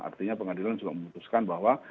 artinya pengadilan juga memutuskan bahwa